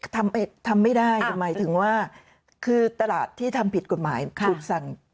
ทำไม่ได้หมายถึงว่าคือตลาดที่ทำผิดกฎหมายถูกสั่ง